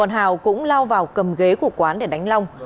còn hào cũng lao vào cầm ghế của quán để đánh long